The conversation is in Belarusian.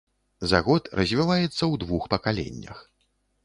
За год развіваецца ў двух пакаленнях.